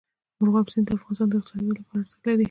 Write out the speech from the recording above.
مورغاب سیند د افغانستان د اقتصادي ودې لپاره ارزښت لري.